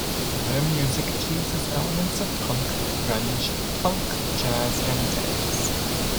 Their music fuses elements of punk, grunge, funk, jazz and dance.